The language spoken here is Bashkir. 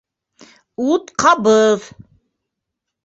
- Ут ҡабыҙ.